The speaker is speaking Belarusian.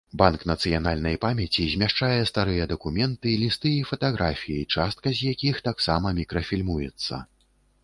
Банк нацыянальнай памяці змяшчае старыя дакументы, лісты і фатаграфіі, частка з якіх таксама мікрафільмуецца.